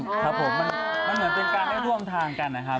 มันเหมือนเป็นการให้ร่วมทางกันนะครับ